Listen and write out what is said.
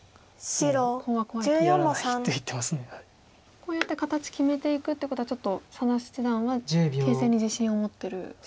こうやって形決めていくってことはちょっと佐田七段は形勢に自信を持ってると。